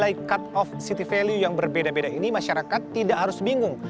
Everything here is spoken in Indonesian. terkait nilai cut off city value yang berbeda beda ini masyarakat tidak harus bingung